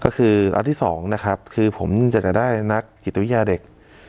ก็คืออันที่สองนะครับคือผมอยากจะได้นักจิตวิทยาเด็ก